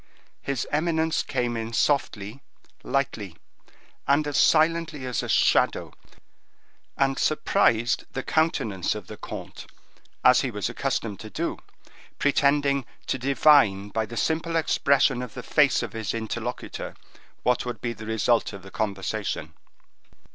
His eminence came in softly, lightly, and as silently as a shadow, and surprised the countenance of the comte, as he was accustomed to do, pretending to divine by the simple expression of the face of his interlocutor what would be the result of the conversation.